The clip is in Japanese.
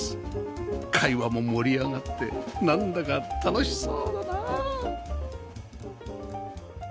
会話も盛り上がってなんだか楽しそうだな